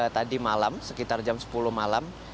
tadi malam sekitar jam sepuluh malam